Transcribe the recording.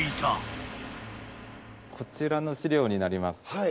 こちらの史料になります。